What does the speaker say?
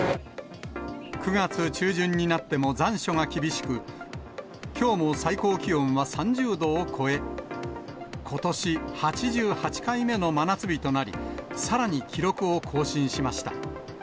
９月中旬になっても残暑が厳しく、きょうも最高気温は３０度を超え、ことし８８回目の真夏日となり、さらに記録を更新しました。